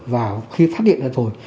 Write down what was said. và khi phát hiện ra rồi